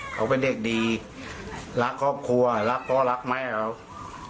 เขาเป็นเด็กดีรักครอบครัวรักพ่อรักแม่ครับ